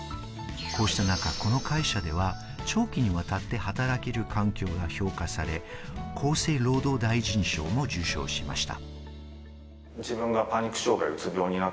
こうした中、この会社では長期にわたって働ける環境が評価され、厚生労働大臣賞も受賞しました。